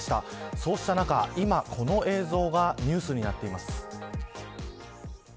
そうした中、今この映像がニュースになっています。